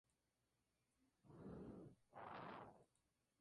Bustamante puso la momia en exhibición en su local comercial.